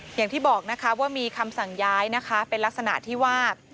อย่างที่บอกนะคะว่ามีคำสั่งย้ายนะคะเป็นลักษณะที่ว่า